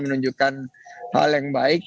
menunjukkan hal yang baik